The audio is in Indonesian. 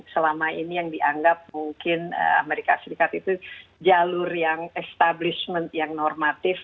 selama ini yang dianggap mungkin amerika serikat itu jalur yang establishment yang normatif